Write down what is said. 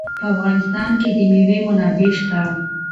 په افغانستان کې د مېوې منابع شته.